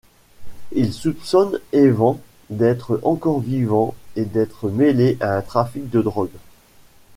Ils soupçonnent Evan d'être encore vivant et d'être mêlé à un trafic de drogue.